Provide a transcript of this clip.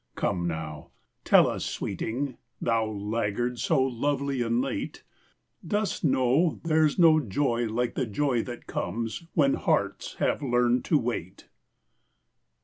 Come now tell us, sweeting, Thou laggard so lovely and late, Dost know there's no joy like the joy that comes When hearts have learned to wait?